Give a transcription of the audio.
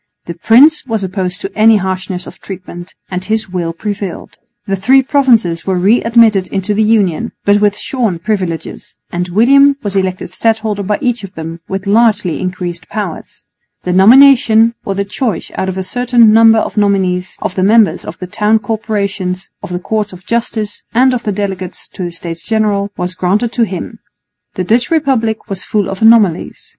The prince was opposed to any harshness of treatment, and his will prevailed. The three provinces were re admitted into the Union, but with shorn privileges; and William was elected stadholder by each of them with largely increased powers. The nomination, or the choice out of a certain number of nominees, of the members of the Town Corporations, of the Courts of Justice and of the delegates to the States General, was granted to him. The Dutch Republic was full of anomalies.